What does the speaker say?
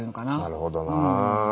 なるほどなぁ。